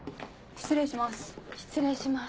失礼します。